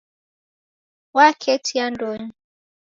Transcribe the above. Waketi andonyi.